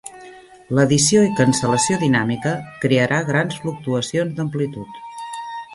L'adició i cancel·lació dinàmica crearà grans fluctuacions d'amplitud.